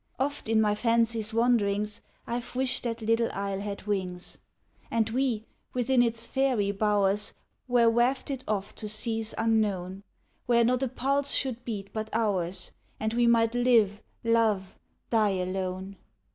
Oft in my fancy's wanderings, I've wished that little isle had wings, And we, within its fairy bowers, Were wafted off to seas unknown, Where not a pulse should beat but ours, And we might live, love, die alone!